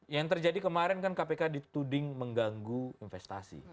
yang terjadi kemarin kan kpk dituding mengganggu investasi